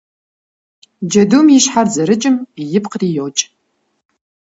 Джэдум и щхьэр зэрыкӀым ипкъри йокӀ.